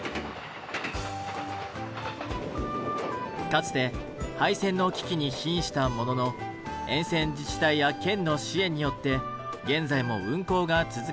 かつて廃線の危機に瀕したものの沿線自治体や県の支援によって現在も運行が続けられています。